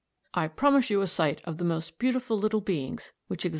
I promise you a sight of the most beautiful little beings which exist in nature.